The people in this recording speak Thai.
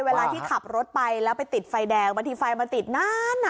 เวลาที่ขับรถไปแล้วไปติดไฟแดงบางทีไฟมันติดนาน